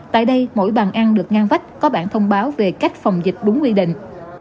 tại đây mỗi bàn ăn được ngang vách có bản thông báo về cách phòng dịch đúng quy định